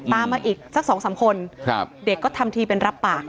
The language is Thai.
ตามมาอีกสักสองสามคนเด็กก็ทำทีเป็นรับปาก